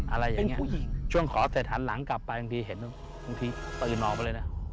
อะไรอย่างนี้ช่วงขอเสร็จหันหลังกลับไปบางทีเห็นบางทีตื่นออกไปเลยนะ